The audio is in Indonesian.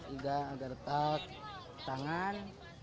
iga agak retak tangan